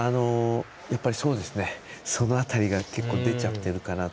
やっぱり、その辺りが結構、出ちゃってるかなと。